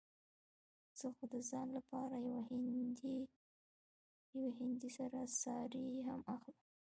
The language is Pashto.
زه خو د ځان لپاره يوه هندۍ سره ساړي هم اخلم.